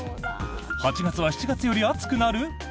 ８月は７月より暑くなる？